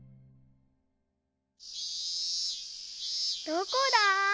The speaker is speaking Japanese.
どこだ？